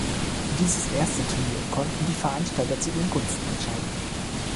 Dieses erste Turnier konnten die Veranstalter zu ihren Gunsten entscheiden.